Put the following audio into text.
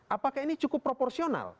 apakah ini cukup proporsional